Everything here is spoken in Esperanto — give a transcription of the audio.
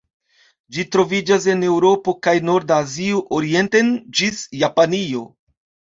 Ĝi troviĝas en Eŭropo kaj norda Azio orienten ĝis Japanio.